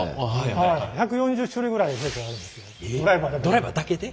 ドライバーだけで？